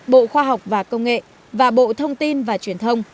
bộ khoa học và công nghệ và bộ thông tin và truyền thông